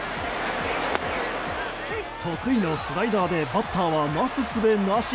得意のスライダーでバッターはなすすべなし。